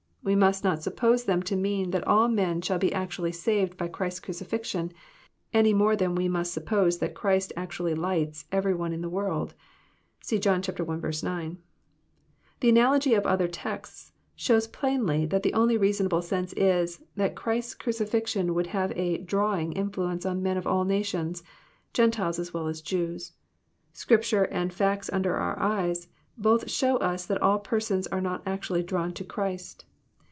We must not suppose them to mean that all men shall be actually saved by Christ's crucifixion, any more than we must suppose that Christ actually *' lights " every one in the world. rSee John 1. 9.) The analogy of other texts bhows plainly that the only reasonable sense is, that Christ's cruci fixion would have a *' drawing" influence on men of all nations. Gentiles as well as Jews. Scripture and facts under our eyes both show us that all persons are not actually drawn to Christ.